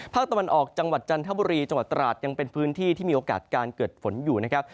ภาคตะวันออกจังหวัดจันทบุรีจังหวัดตราดยังเป็นพื้นที่ที่มีโอกาสการเกิดฝนอยู่นะครับ